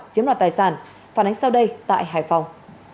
chiếm đoạt tài sản phản ánh sau đây tại hải phòng